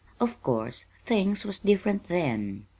"Of course, things was different then.